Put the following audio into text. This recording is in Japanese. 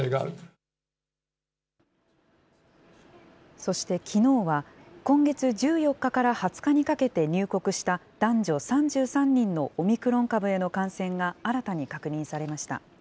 そしてきのうは、今月１４日から２０日にかけて入国した男女３３人のオミクロン株への感染が新たに確認されました。